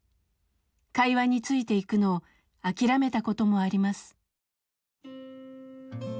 会話についていくのを諦めたこともあります。